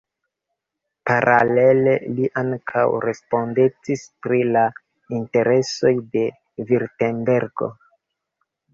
Paralele li ankaŭ respondecis pri la interesoj de Virtembergo.